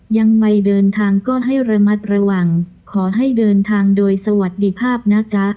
ยังไงเดินทางก็ให้ระมัดระวังขอให้เดินทางโดยสวัสดีภาพนะจ๊ะ